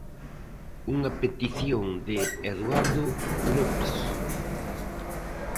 Unha petición de Eduardo López.